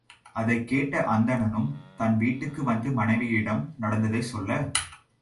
அதைக் கேட்ட அந்தணனும், தன் வீட்டுக்கு வந்து மனைவியிடம் நடந்ததைச் சொல்ல.